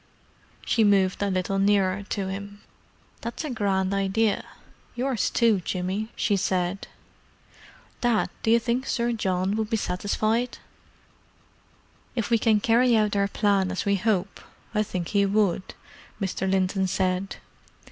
She moved a little nearer to him. "That's a grand idea—yours too, Jimmy," she said. "Dad, do you think Sir John would be satisfied?" "If we can carry out our plan as we hope, I think he would," Mr. Linton said.